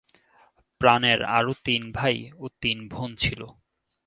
প্রাণের আরও তিন ভাই ও তিন বোন ছিল।